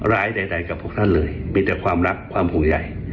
ร้ายใดกับพวกท่านเลยมีแต่ความรักความห่วงใหญ่